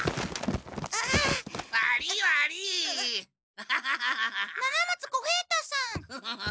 アハハハハハハッ！